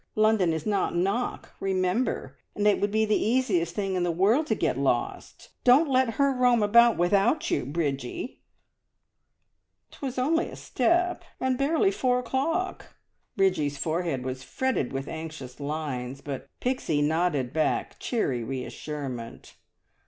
London is not Knock, remember, and it would be the easiest thing in the world to get lost. Don't let her roam about without you, Bridgie!" "'Twas only a step, and barely four o'clock!" Bridgie's forehead was fretted with anxious lines, but Pixie nodded back cheery reassurement.